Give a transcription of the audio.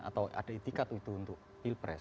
atau ada itikat itu untuk pilpres